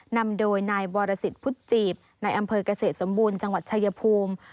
นำโดยนายวรสิทธิ์พุทธจีบในอำเภอกเกษตรสมบูรณ์จังหวัดชายภูมิ